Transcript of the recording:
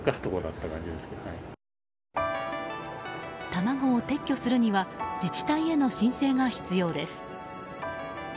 卵を撤去するには自治体への申請が必要です。